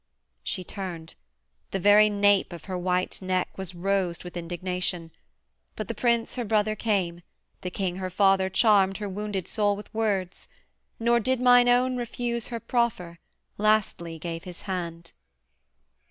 She turned; the very nape of her white neck Was rosed with indignation: but the Prince Her brother came; the king her father charmed Her wounded soul with words: nor did mine own Refuse her proffer, lastly gave his hand.